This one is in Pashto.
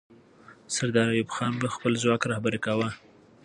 سردار ایوب خان به خپل ځواک رهبري کاوه.